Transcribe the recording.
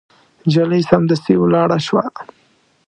نجلۍ سمدستي ولاړه شوه.